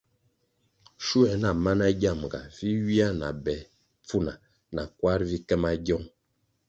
Schuer na mana giamga vi ywia na be pfuna na kwar vi ke magiong.